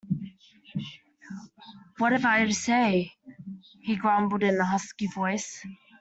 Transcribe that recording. "What have I to say?" he grumbled in a husky voice.